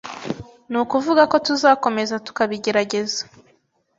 Ni ukuvuga ko tuzakomeza tukabigerageza